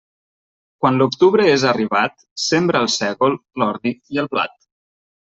Quan l'octubre és arribat, sembra el sègol, l'ordi i el blat.